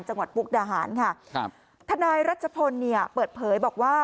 จังหวัดปุกดาหารค่ะทนายรัชพลเปิดเผยบอกว่า